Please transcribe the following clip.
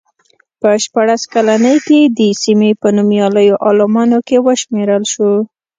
په شپاړس کلنۍ کې د سیمې په نومیالیو عالمانو کې وشمېرل شو.